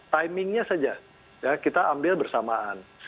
timingnya saja kita ambil bersamaan